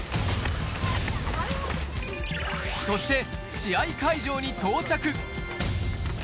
そして、試合会場に到着。